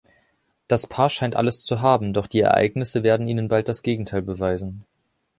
Das Paar scheint alles zu haben, doch die Ereignisse werden ihnen bald das Gegenteil beweisen.